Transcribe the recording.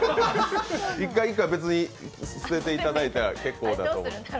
１回１回別に捨てていただいたら結構だと思います。